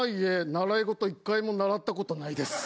習いごと１回も習ったことないです。